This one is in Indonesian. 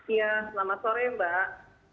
iya selamat sore mbak